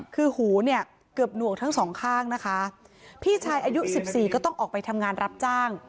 คือหูเกือบหนวกทั้ง๒ข้างนะคะพี่ชายอายุ๑๔ก็ต้องออกไปทำงานรับจ้าง